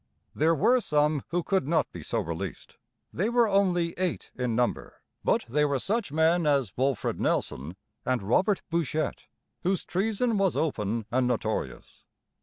There were some who could not be so released. They were only eight in number, but they were such men as Wolfred Nelson and Robert Bouchette, whose treason was open and notorious.